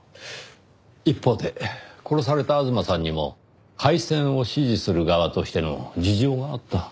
一方で殺された吾妻さんにも廃線を支持する側としての事情があった。